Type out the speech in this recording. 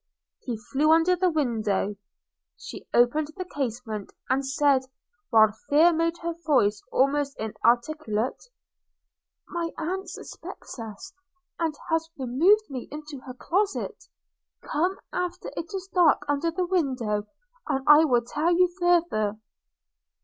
He flew under the window – she opened the casement, and said, while fear made her voice almost inarticulate, 'My aunt suspects us, and has removed me into her closet – Come after it is dark under the window, and I will tell you farther.'